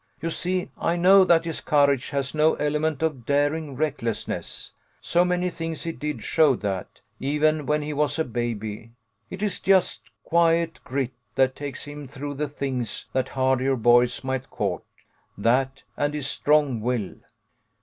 You see I know that his courage has no element of daring recklessness. So many things he did showed that, even when he was a baby. It is just quiet grit that takes him through the things that hardier boys might court. That, and his strong will.